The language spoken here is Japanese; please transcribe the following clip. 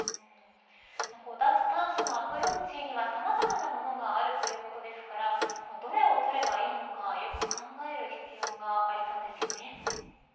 脱炭素のアプローチにはさまざまなものがあるということですからどれを取ればいいのかよく考える必要がありそうですよね。